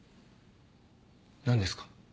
何ですか？